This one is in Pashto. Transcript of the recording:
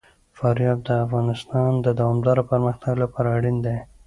فاریاب د افغانستان د دوامداره پرمختګ لپاره اړین دي.